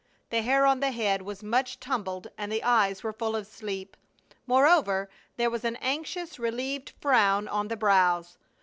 The hair on the head was much tumbled and the eyes were full of sleep. Moreover, there was an anxious, relieved frown on the brows.